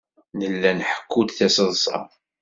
Nella nḥekku-d tiseḍsa.